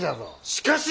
しかし！